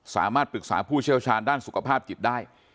สามารถปรึกษาผู้เชี่ยวชาญด้านสุขภาพจิตได้